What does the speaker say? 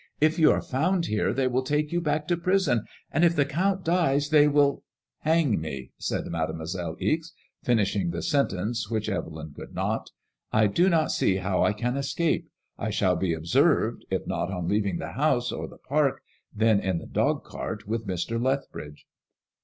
If you are found here they will take you back to prison^ and if the Count dies they will " ''Hang me," said Mademoiselle Ixe, finishing the sentence which Evelyn could not " I do not see how I can escape. I shall be observed, if not on leaving the house, or the park, then in the dogcart with Mr. Lethbridge.'